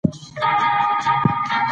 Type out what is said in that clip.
زه له علماوو څخه ګټور شیان زده کوم.